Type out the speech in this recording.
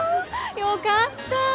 よかった。